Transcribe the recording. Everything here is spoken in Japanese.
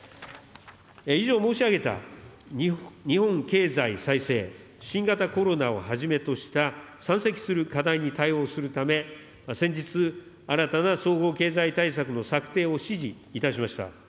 以上、申し上げた、日本経済再生、新型コロナをはじめとした山積する課題に対応するため、先日、新たな総合経済対策の策定を指示いたしました。